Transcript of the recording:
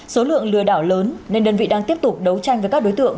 số lượng lừa đảo lớn nên đơn vị đang tiếp tục đấu tranh với các đối tượng